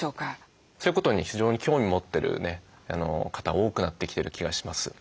そういうことに非常に興味持ってる方多くなってきてる気がします。